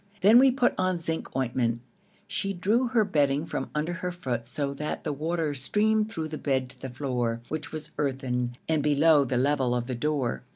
Then we put on zinc ointment. She drew her bedding from under her foot so that the water streamed through the bed to the floor, which was earthen and below the level of the door.